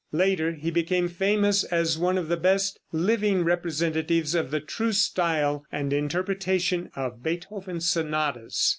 Later he became famous as one of the best living representatives of the true style and interpretation of the Beethoven sonatas.